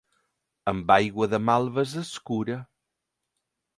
Amb aigua de malves es cura.